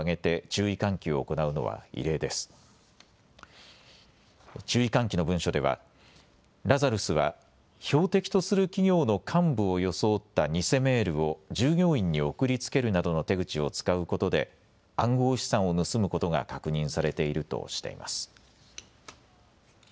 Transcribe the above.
注意喚起の文書ではラザルスは標的とする企業の幹部を装った偽メールを従業員に送りつけるなどの手口を使うことで暗号資産を盗むことが確認されているとしています。＃